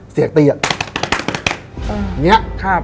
เสียงตี